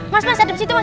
mas mas hadap situ mas